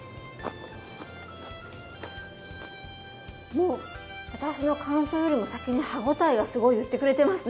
もう私の感想よりも先に歯応えがすごい言ってくれてますね。